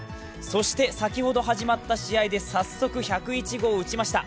そして先ほど始まった試合で早速１０１号を打ちました。